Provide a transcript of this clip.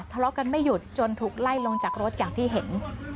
ทะเลาะกันไม่หยุดจนถูกไล่ลงจากรถอย่างที่เห็น